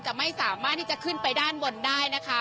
ไม่สามารถที่จะขึ้นไปด้านบนได้นะคะ